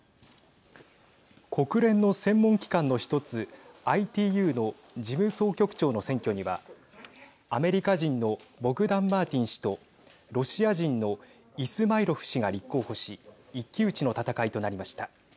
国連の専門機関の１つＩＴＵの事務総局長の選挙にはアメリカ人のボグダンマーティン氏とロシア人のイスマイロフ氏が立候補し一騎打ちの戦いとなりました。